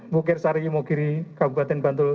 mukirsari imogiri kabupaten bantul